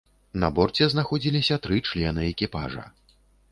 На борце знаходзіліся тры члены экіпажа.